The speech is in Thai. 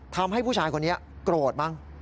ทำให้ผู้ชายคนนี้โกรธบ้าง